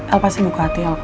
el pasti buka hati el